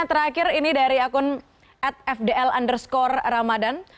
terakhir ini dari akun atfdl underscore ramadhan